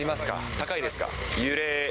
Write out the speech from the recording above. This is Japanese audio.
高いですか？